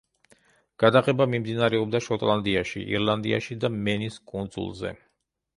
გადაღება მიმდინარეობდა შოტლანდიაში, ირლანდიაში და მენის კუნძულზე.